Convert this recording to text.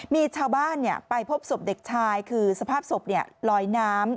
มีชาวบ้านไปพบศพเด็กชายคือสภาพศพลอยน้ำ